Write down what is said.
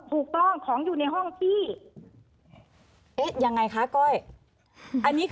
ถูกต้องของอยู่ในห้องพี่